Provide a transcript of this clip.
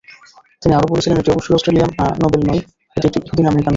তিনি আরও বলেছিলেন, এটি অবশ্যই "অস্ট্রিয়ান নোবেল নই, এটি একটি ইহুদি-আমেরিকান নোবেল"।